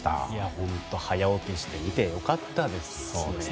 本当、早起きして見て良かったですよね。